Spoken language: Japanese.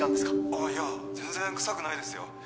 あいや全然臭くないですよ